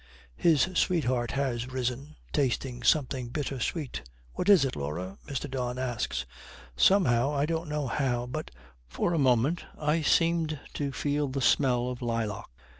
His sweetheart has risen, tasting something bitter sweet. 'What is it, Laura?' Mr. Don asks. 'Somehow I don't know how but, for a moment I seemed to feel the smell of lilac.